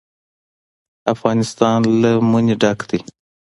افغانستان له منی ډک دی.